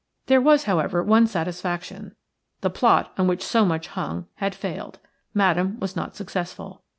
There was, however, one satisfaction – the plot, on which so much hung, had failed. Madame was not successful.